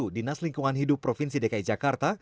dinas lingkungan hidup provinsi dki jakarta